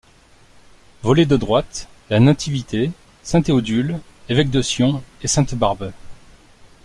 Volet de Droite: la Nativité, saint Théodule, évêque de Sion, et sainte Barbe.